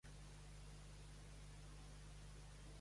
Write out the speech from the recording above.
Una gàbia de Faraday contínua és un conductor buit.